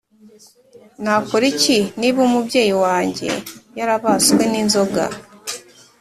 Nakora iki niba umubyeyi wanjye yarabaswe n inzoga